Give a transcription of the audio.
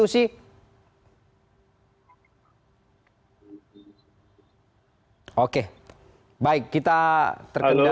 saya ke pak dhani